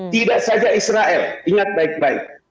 tidak saja israel ingat baik baik